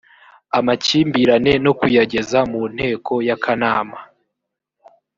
amakimbirane no kuyageza mu nteko ya kanama